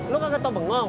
lu nggak ketau bengong